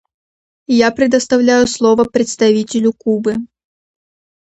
Я предоставляю слово представителю Кубы.